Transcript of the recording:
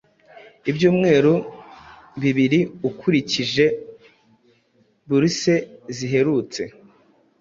ibyumweru bibiriukurikije buruse ziherutse